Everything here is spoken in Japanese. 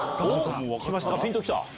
ピンときた？